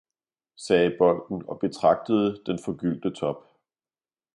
sagde bolden og betragtede den forgyldte top.